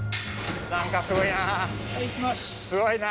すごいな。